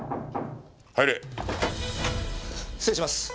失礼します。